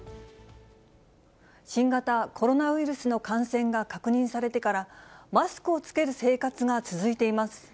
新型コロナウイルスの感染が確認されてから、マスクを着ける生活が続いています。